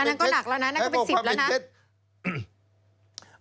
อันนั้นก็เป็น๑๐แล้วนะ